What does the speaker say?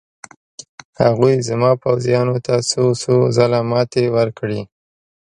هغوی زما پوځیانو ته څو څو ځله ماتې ورکړې.